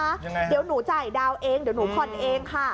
ยังไงเดี๋ยวหนูจ่ายดาวน์เองเดี๋ยวหนูผ่อนเองค่ะ